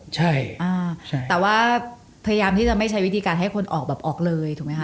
ใช่แต่ว่าพยายามที่จะไม่ใช้วิธีการให้คนออกแบบออกเลยถูกไหมค